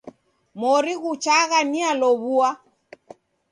Mori ghuchagha nialow'ua.